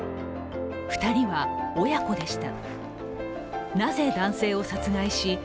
２人は親子でした。